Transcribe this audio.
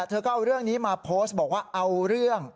เธอก็เอาเรื่องนี้มาโพสต์บอกว่าเอาเรื่อง